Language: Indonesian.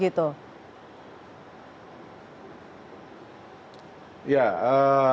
langsung ditangkap begitu